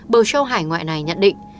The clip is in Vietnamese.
bầu show hải ngoại này nhận định